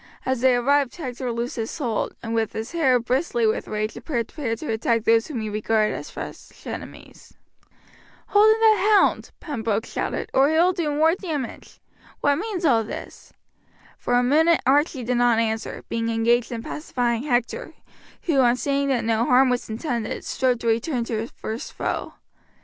As they arrived Hector loosed his hold, and with his hair bristly with rage prepared to attack those whom he regarded as fresh enemies. "Hold in that hound," Pembroke shouted, "or he will do more damage. What means all this?" For a minute Archie did not answer, being engaged in pacifying Hector, who, on seeing that no harm was intended, strove to return to his first foe.